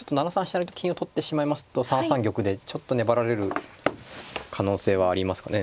成と金を取ってしまいますと３三玉でちょっと粘られる可能性はありますかね。